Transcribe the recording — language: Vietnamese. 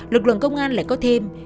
lực lượng công an lại có thêm